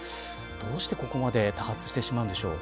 どうして、ここまで多発してしまうのでしょう。